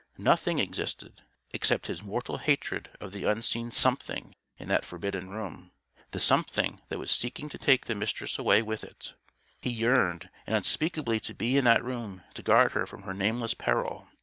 Nothing existed; except his mortal hatred of the unseen Something in that forbidden room the Something that was seeking to take the Mistress away with It. He yearned unspeakably to be in that room to guard her from her nameless Peril.